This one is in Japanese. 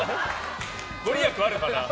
ご利益あるかな。